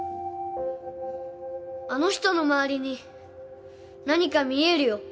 あの人の周りに何か見えるよ